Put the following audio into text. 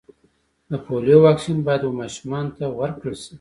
د پولیو واکسین باید و ماشومانو ته ورکړل سي.